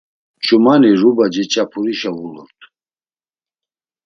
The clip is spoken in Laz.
Ç̌umani Rubaceç̌apurişa vulurt.